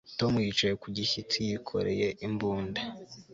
Tom yicaye ku gishyitsi yikoreye imbunda